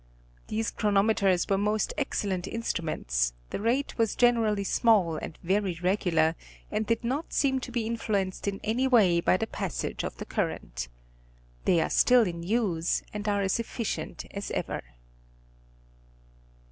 These chronometers were most excellent instru ments, the rate was generally small and very regular, and did not seem to be influenced in any way by the passage of the current. They are still in use, and are as efficient as ever.